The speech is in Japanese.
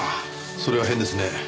それは変ですね。